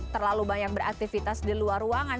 terlalu banyak beraktivitas di luar ruangan